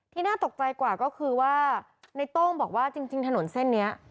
น่าตกใจกว่าก็คือว่าในโต้งบอกว่าจริงถนนเส้นนี้